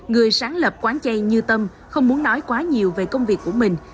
người sáng lập quán chay như tâm không muốn nói quá nhiều về công việc của mình